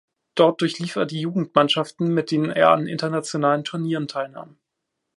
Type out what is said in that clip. Dort durchlief er die Jugendmannschaften, mit denen er an internationalen Turnieren teilnahm.